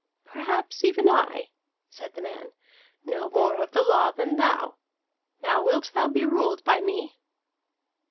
"Perhaps even I," said the man, "know more of the law than thou. Now wilt thou be ruled by me?"